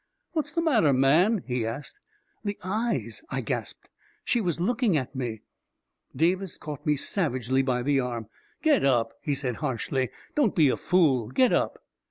" What's the matter, man ?" he asked. M The eyes !" I gasped. " She was looking at me I" Davis caught me savagely by the arm. " Get up !" he said, harshly. " Don't be a fool ! Get up